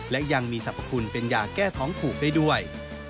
และยังมีสรรพคุณเป็นยาแก้ท้องผูกได้ด้วย